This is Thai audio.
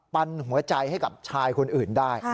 ปันหัวใจให้กับชายคนอื่นได้